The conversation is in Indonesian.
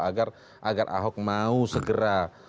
agar ahok mau segera